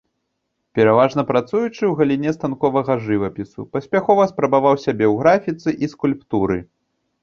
Пераважна працуючы ў галіне станковага жывапісу, паспяхова спрабаваў сябе ў графіцы і скульптуры.